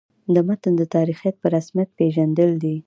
د متن د تاریخیت په رسمیت پېژندل دي.